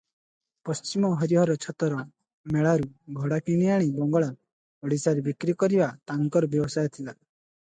ପଶ୍ଚିମ ହରିହର ଛତର ମେଳାରୁ ଘୋଡ଼ା କିଣିଆଣି ବଙ୍ଗଳା, ଓଡ଼ିଶାରେ ବିକ୍ରି କରିବା ତାଙ୍କର ବ୍ୟବସାୟ ଥିଲା ।